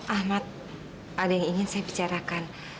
ahmad ada yang ingin saya bicarakan